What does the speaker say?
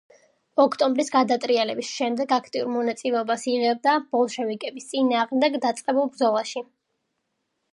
ოქტომბრის გადატრიალების შემდეგ აქტიურ მონაწილეობას იღებდა ბოლშევიკების წინააღმდეგ დაწყებულ ბრძოლაში.